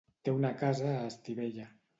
Té una casa a Estivella.